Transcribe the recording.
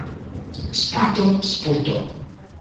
Sputo! Sputo!